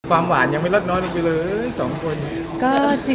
ความหวานยังไม่ลดน้อยลงไปเลย๒คน